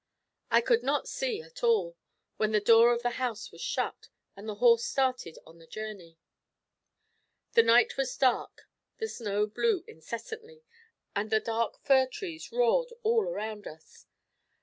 I could not see at all, when the door of the house was shut, and the horse started on the journey. The night was dark, the snow blew incessantly, and the dark fir trees roared all around us.